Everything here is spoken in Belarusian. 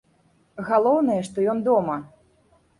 Галоўнае, што ён дома.